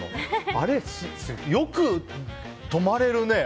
あれ、よく止まれるね。